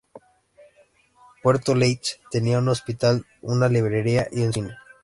Puerto Leith tenía un hospital, una librería y un cine.